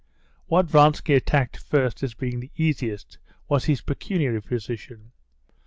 What Vronsky attacked first as being the easiest was his pecuniary position.